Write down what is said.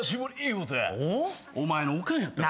言うてお前のおかんやったわ。